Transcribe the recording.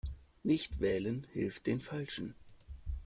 Nichtwählen hilft den Falschen.